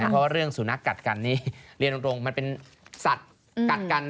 เพราะเรื่องสุนัขกัดกันนี่เรียนตรงมันเป็นสัตว์กัดกัน